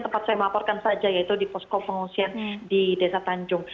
tempat saya melaporkan saja yaitu di posko pengungsian di desa tanjung